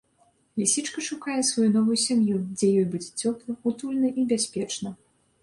Лісічка шукае сваю новую сям'ю, дзе ёй будзе цёпла, утульна і бяспечна.